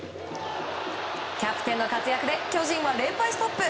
キャプテンの活躍で巨人は連敗ストップ。